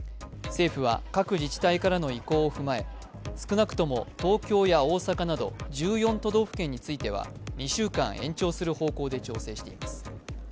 政府は各自治体からの意向を踏まえ少なくとも東京や大阪など１４都道府県については２週間延長する方向で調整しています。